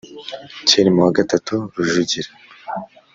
cyilima wa gatatu rujugira